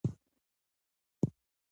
علامه حبیبي د قدیمو نسخو مطالعه کړې ده.